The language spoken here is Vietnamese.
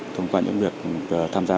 thông qua những việc tham gia vào